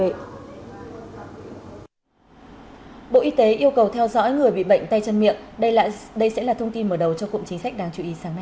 bộ y tế yêu cầu theo dõi người bị bệnh tay chân miệng đây sẽ là thông tin mở đầu cho cụm chính sách đáng chú ý sáng nay